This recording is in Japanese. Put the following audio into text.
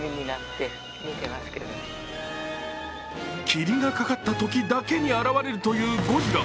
霧がかかったときだけに現れるというゴジラ。